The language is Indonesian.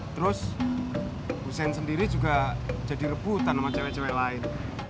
terus hussein sendiri juga jadi rebut tanaman cewek cewek lain